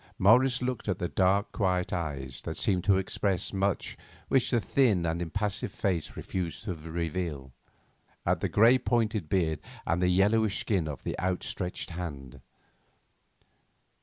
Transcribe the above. Morris looked at the dark, quiet eyes that seemed to express much which the thin and impassive face refused to reveal; at the grey pointed beard and the yellowish skin of the outstretched arm.